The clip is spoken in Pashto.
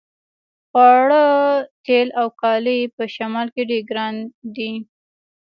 خواړه تیل او کالي په شمال کې ډیر ګران دي